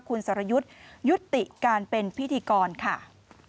คุณสรยุทธ์ยุติการเป็นพิธีกรค่ะ